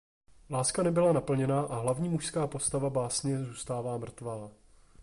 Láska nebyla naplněna a hlavní mužská postava básně zůstává mrtvá.